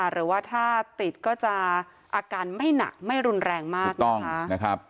หรือว่าถ้าติดก็จะอาการไม่หนักไม่รุนแรงมากถูกต้องนะครับ